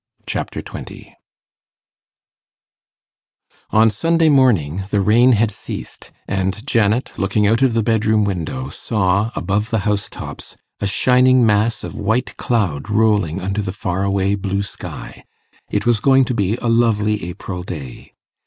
Chapter 20 On Sunday morning the rain had ceased, and Janet, looking out of the bedroom window, saw, above the house tops, a shining mass of white cloud rolling under the far away blue sky. It was going to be a lovely April day.